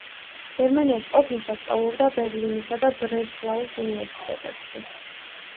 გერმანიაში ყოფნისას სწავლობდა ბერლინისა და ბრესლაუს უნივერსიტეტებში.